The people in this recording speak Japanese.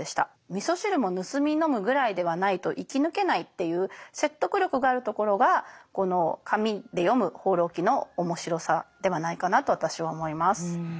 みそ汁も盗み飲むぐらいではないと生き抜けないっていう説得力があるところがこの紙で読む「放浪記」の面白さではないかなと私は思います。